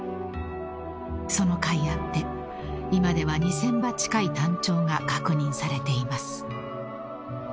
［そのかいあって今では２，０００羽近いタンチョウが確認されています］